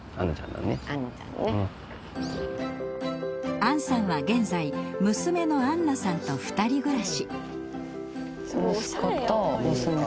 アンさんは現在娘のアンナさんと２人暮らし。